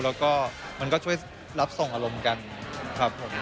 แล้วก็มันก็ช่วยรับส่งอารมณ์กันครับผม